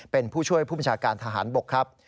เป็นผู้ช่วยผู้บัญชาการทหารบกครับ